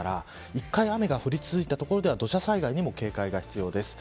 一度雨が降り続いた場所では土砂災害に警戒が必要です。